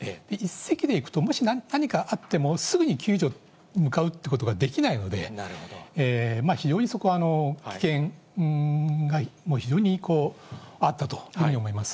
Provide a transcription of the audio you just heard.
１隻で行くと、もし何かあっても、すぐに救助に向かうってことができないので、非常にそこは、危険が、非常にこうあったというふうに思います。